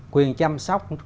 quyền chăm sóc